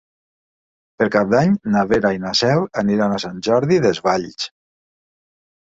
Per Cap d'Any na Vera i na Cel aniran a Sant Jordi Desvalls.